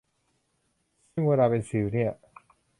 ซึ่งเวลาเป็นสิวเนี่ย